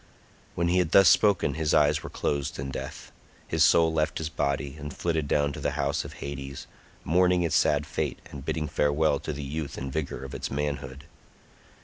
When he had thus spoken his eyes were closed in death, his soul left his body and flitted down to the house of Hades, mourning its sad fate and bidding farewell to the youth and vigor of its manhood.